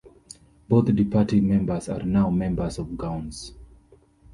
Both departing members are now members of Gowns.